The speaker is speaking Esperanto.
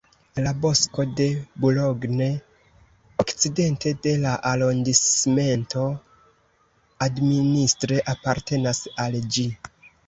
La bosko de Boulogne, okcidente de la arondismento, administre apartenas al ĝi.